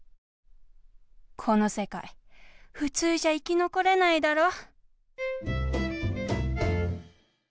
この世界ふつうじゃ生きのこれないだろ？